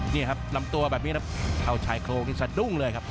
นี่ครับลำตัวแบบนี้ครับเข้าชายโครงนี่สะดุ้งเลยครับ